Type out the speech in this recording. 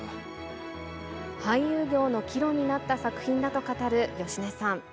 俳優業の岐路になった作品だと語る芳根さん。